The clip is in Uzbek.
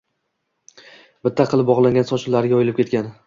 Bitta qilib bog`langan sochlari yoyilib ketgan